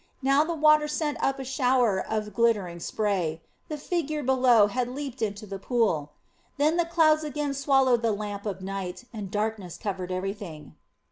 Now the water sent up a shower of glittering spray. The figure below had leaped into the pool. Then the clouds again swallowed the lamp of night, and darkness covered everything.